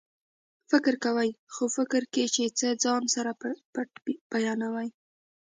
فکر کوئ خو فکر کې چې څه ځان سره پټ بیانوي